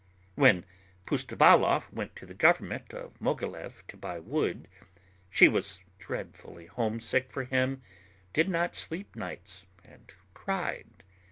When Pustovalov went to the government of Mogilev to buy wood, she was dreadfully homesick for him, did not sleep nights, and cried.